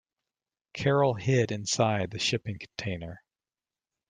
Carol hid inside the shipping container.